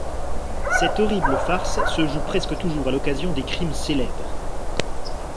Cette horrible farce se joue presque toujours à l’occasion des crimes célèbres.